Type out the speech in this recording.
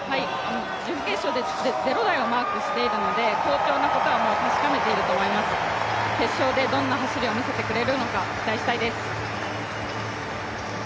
準決勝で０台をマークしているので、好調なことは確かめていると思います、決勝でどんな走りを見せてくれるのか、期待したいです